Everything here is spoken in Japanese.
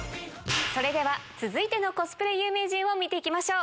それでは続いてのコスプレ有名人見ていきましょう。